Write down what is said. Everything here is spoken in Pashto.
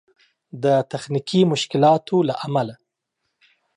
د تخنيکي مشکلاتو له امله